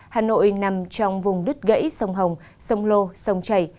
hà nội nằm trong vùng đất gãy sông hồng sông lô sông chảy